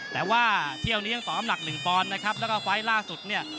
แต่ว่าเที่ยวนี้ยังต่อน้ำหนักหนึ่งปอนด์นะครับแล้วก็ไฟล์ล่าสุดเนี่ย